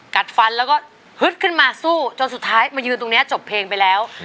กัดฟันแล้วก็ฮึดขึ้นมาสู้จนสุดท้ายมายืนตรงนี้จบเพลงไปแล้ว